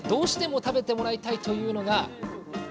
続いて、どうしても食べてもらいたいというのが。